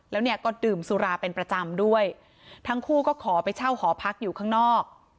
แล้วเนี่ยก็ดื่มสุราเป็นประจำด้วยทั้งคู่ก็ขอไปเช่าหอพักอยู่ข้างนอก